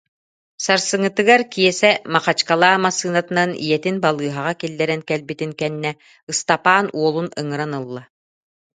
Сарсыҥҥытыгар Киэсэ Махачкала массыынатынан ийэтин балыыһаҕа киллэрэн кэлбитин кэннэ, Ыстапаан уолун ыҥыран ылла